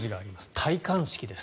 戴冠式です。